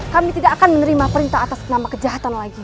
kami tidak akan menerima perintah atas nama kejahatan lagi